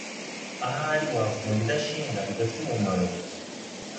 Ahari wava mubidashinga Bidafite umumaro